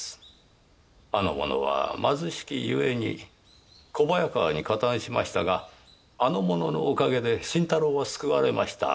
あの者は貧しきゆえに小早川に加担しましたがあの者のおかげで新太郎は救われました。